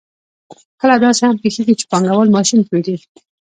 کله داسې هم پېښېږي چې پانګوال ماشین پېري